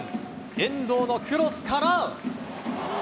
遠藤のクロスから。